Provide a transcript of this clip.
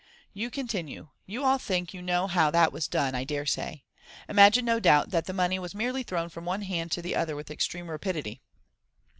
You continue, " You all think you know how that was done, I dare say. You imagine, no doubt, that the money was merely thrown from one hand to the other with extreme rapidity.